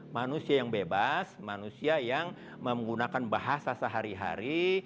manusia yang bebas manusia yang menggunakan bahasa sehari hari